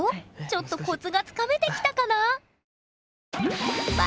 ちょっとコツがつかめてきたかな？